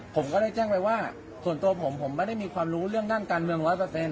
ผมก็ได้แจ้งไปว่าส่วนตัวผมผมไม่ได้มีความรู้เรื่องด้านการเมือง๑๐๐